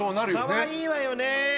かわいいわよね！